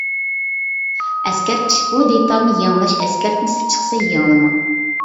ئەسكەرتىش: بۇ دېتالنى يېڭىلاش ئەسكەرتمىسى چىقسا يېڭىلىماڭ.